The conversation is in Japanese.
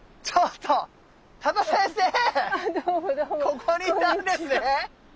ここにいたんですね！